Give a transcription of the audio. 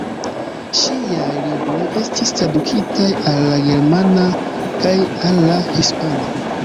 Ŝiaj libroj estis tradukitaj al la germana kaj al la hispana.